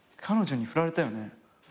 彼女に振られたよね？